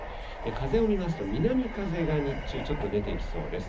風を見ますと、南風が日中、ちょっと出てきそうです。